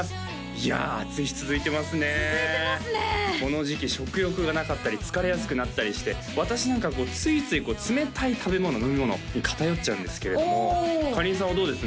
いや暑い日続いてますね続いてますねこの時期食欲がなかったり疲れやすくなったりして私なんかこうついつい冷たい食べ物飲み物に偏っちゃうんですけれどもおかりんさんはどうです？